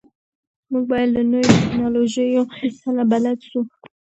موږ باید له نویو ټکنالوژیو سره بلد سو.